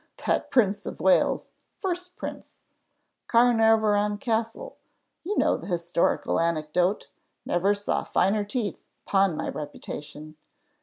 that Prince of Wales first Prince Caernarvon Castle you know the historical anecdote. Never saw finer teeth, upon my reputation.